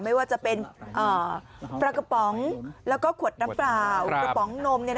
ไม่ว่าจะเป็นปลากระป๋องแล้วก็ขวดน้ำเปล่ากระป๋องนม